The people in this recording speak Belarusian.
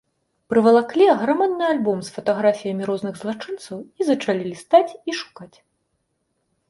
Прывалаклі аграмадны альбом з фатаграфіямі розных злачынцаў і зачалі лістаць і шукаць.